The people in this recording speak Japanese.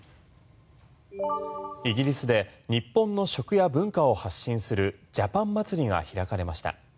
イギリスで日本の食や文化を発信するジャパン祭りが開かれました。